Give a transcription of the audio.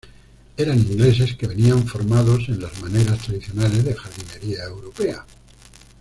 Eran ingleses que venían formados en las maneras tradicionales de jardinería europea.